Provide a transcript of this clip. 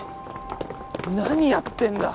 葵何やってんだ